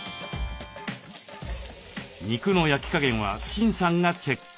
肉の焼き加減はシンさんがチェック。